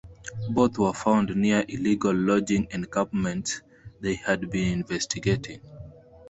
Both were found near illegal logging encampments they had been investigating.